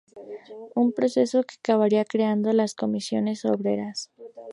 Un proceso que acabaría creando las Comisiones Obreras.